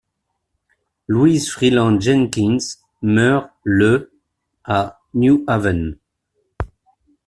Louise Freeland Jenkins meurt le à New Haven.